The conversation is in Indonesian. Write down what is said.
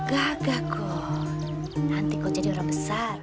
gak gak kok nanti kok jadi orang besar